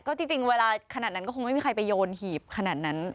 ก็จริงเวลาขนาดนั้นก็คงไม่มีใครไปโยนหีบขนาดนั้น